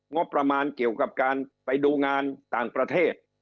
งบประมาณเกี่ยวกับการไปดูงานต่างประเทศ